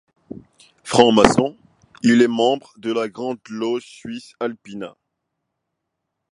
Franc-maçon, il est membre de la Grande Loge suisse Alpina.